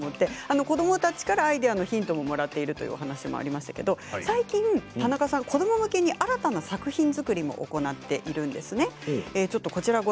子どもたちからアイデアのヒントをもらっていると言っていましたけれど最近、子ども向けに新たな作品作りも行っているそうです。